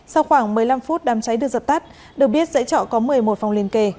sau khoảng một mươi năm phút đám cháy được dập tắt được biết dãy trọ có một mươi một phòng liên kề